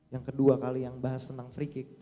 yang kedua kali yang bahas tentang free kick